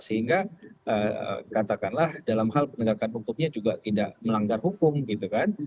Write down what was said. sehingga katakanlah dalam hal penegakan hukumnya juga tidak melanggar hukum gitu kan